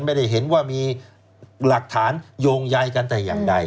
ไม่ได้เห็นว่ามีหลักฐานโยงใยกันแต่อย่างใด